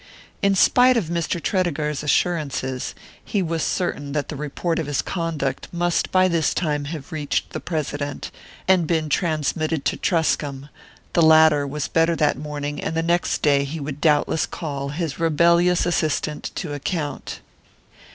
In spite of Mr. Tredegar's assurances, he was certain that the report of his conduct must by this time have reached the President, and been transmitted to Truscomb; the latter was better that morning, and the next day he would doubtless call his rebellious assistant to account.